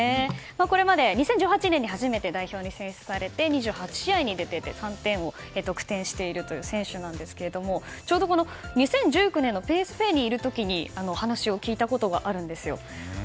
これまで２０１８年に初めて代表に選出されて２８試合に出ていて３点を得点しているという選手なんですけどもちょうど２０１９年のＰＳＶにいる時に話を聞いたことがあるんですよ。